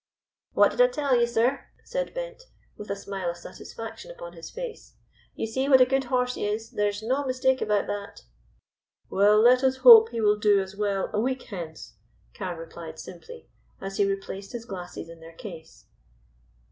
"What did I tell you, sir?" said Bent, with a smile of satisfaction upon his face. "You see what a good horse he is. There's no mistake about that." "Well, let us hope he will do as well a week hence," Carne replied simply, as he replaced his glasses in their case.